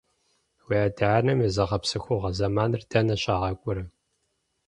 Уи адэ-анэм я зыгъэпсэхугъуэ зэманыр дэнэ щагъакӀуэрэ?